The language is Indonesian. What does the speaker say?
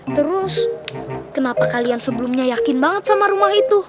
terus kenapa kalian sebelumnya yakin banget sama rumah itu